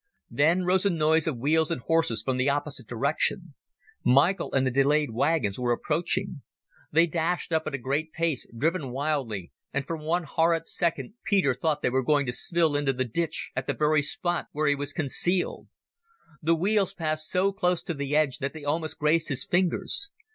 Then rose a noise of wheels and horses from the opposite direction. Michael and the delayed wagons were approaching. They dashed up at a great pace, driven wildly, and for one horrid second Peter thought they were going to spill into the ditch at the very spot where he was concealed. The wheels passed so close to the edge that they almost grazed his fingers.